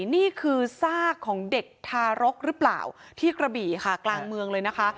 นี่คือซากของเด็กทารกหรือเปล่าที่กระบี่ค่ะกลางเมืองเลยนะคะ